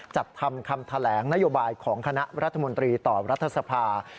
จัดทำคำแถลงนโยบายของคณะรัฐมนตรีต่อรัฐสภา